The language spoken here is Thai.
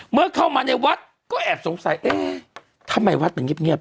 เมื่อเข้ามาในวัดก็แอบสงสัยเอ๊ะทำไมวัดมันเงียบ